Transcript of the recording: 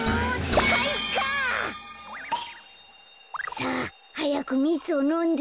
さあはやくみつをのんで。